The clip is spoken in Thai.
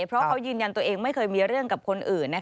เพราะเขายืนยันตัวเองไม่เคยมีเรื่องกับคนอื่น